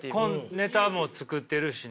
ネタも作ってるしね。